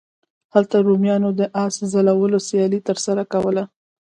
هلته رومیانو د اس ځغلولو سیالۍ ترسره کولې.